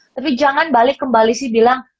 tapi jangan balik kembali sih bilang